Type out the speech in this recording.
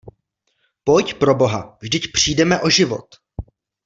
Pojď, pro Boha, vždyť přijdeme o život.